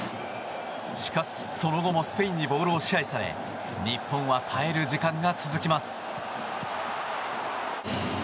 しかし、その後もスペインにボールを支配され日本は耐える時間が続きます。